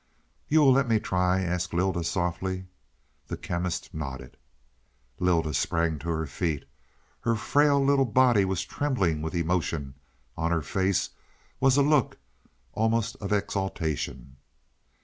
"You will let me try?" asked Lylda softly. The Chemist nodded. Lylda sprang to her feet. Her frail little body was trembling with emotion; on her face was a look almost of exaltation.